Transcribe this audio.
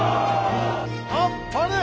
あっぱれ！